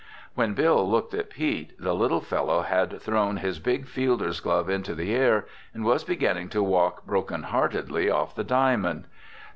When Bill looked at Pete, the little fellow had thrown his big fielder's glove into the air and was beginning to walk broken heartedly off the diamond.